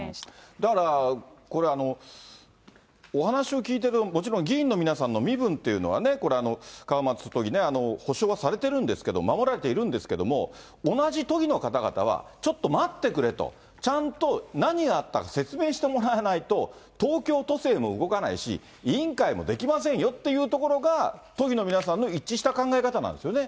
だから、これ、お話を聞いて、もちろん議員の皆さんの身分っていうのはね、これ、川松都議ね、保証はされてるんですけど、守られているんですけれども、同じ都議の方々は、ちょっと待ってくれと、ちゃんと何があったか説明してもらわないと、東京都政も動かないし、委員会もできませんよっていうところが、都議の皆さんの一致した考え方なんですよね？